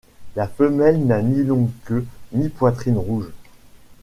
La femelle n'a ni longue queue ni poitrine rouge.